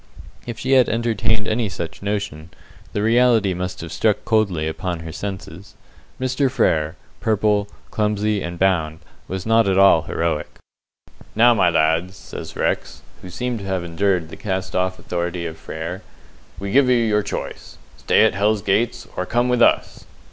If she had entertained any such notion, the reality must have struck coldly upon her senses. Mr. Frere, purple, clumsy, and bound, was not at all heroic. "Now, my lads," says Rex who seemed to have endured the cast off authority of Frere "we give you your choice. Stay at Hell's Gates, or come with us!"